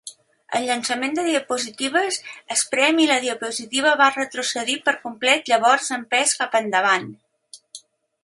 El llançament de diapositives es prem i la diapositiva va retrocedir per complet llavors empès cap endavant.